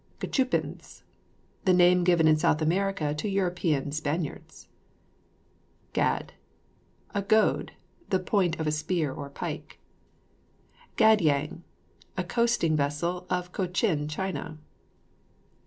GACHUPINS. The name given in South America to European Spaniards. GAD. A goad; the point of a spear or pike. GAD YANG. A coasting vessel of Cochin China.